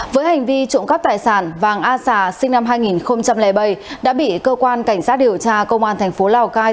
với hành vi trộm cắp tài sản vàng a sà sinh năm hai nghìn bảy đã bị cơ quan cảnh sát điều tra công an thành phố lào cai